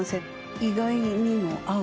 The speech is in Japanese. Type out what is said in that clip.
意外にも合う。